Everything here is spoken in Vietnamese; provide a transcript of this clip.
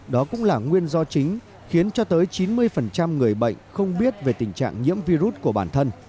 đó cũng là nguyên do chính khiến cho tới chín mươi người bệnh không biết về tình trạng nhiễm virus của bản thân